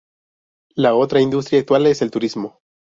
La otra industria actual es el turismo.